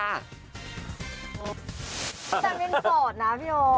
แต่มีนสดนะพี่อ๋อ